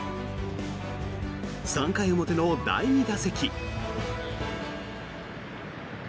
３回表の第２打席。